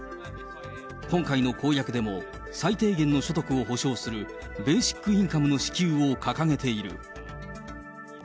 今回の公約でも最低限の所得を保障するベーシックインカムの支給を掲げている。